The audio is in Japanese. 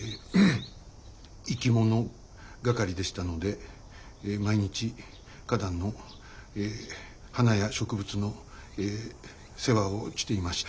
生き物係でしたので毎日花壇のええ花や植物のええ世話をちていました。